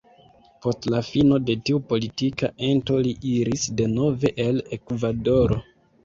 Post la fino de tiu politika ento li iris denove al Ekvadoro.